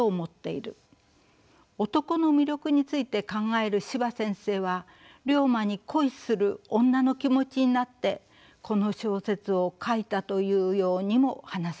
男の魅力について考える司馬先生は竜馬に恋する女の気持ちになってこの小説を書いたというようにも話されているのでした。